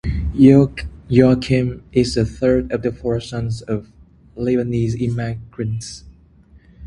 Youakim is the third of four sons of Lebanese immigrants.